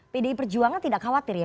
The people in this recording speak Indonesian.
pdi perjuangan tidak khawatir ya